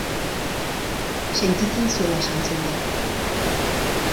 Sentitzen zuela esan zuen gero.